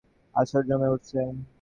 আসর জমে উঠছে।